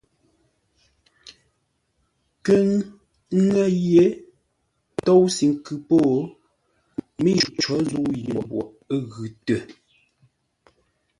Kə́ ŋə̂ yé tóusʉ nkʉ po, mə́i có zə̂u yi mboʼ ə́ ghʉ tə.